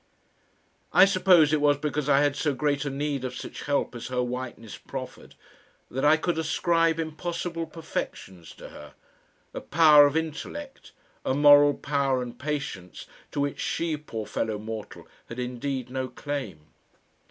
I suppose it was because I had so great a need of such help as her whiteness proffered, that I could ascribe impossible perfections to her, a power of intellect, a moral power and patience to which she, poor fellow mortal, had indeed no claim.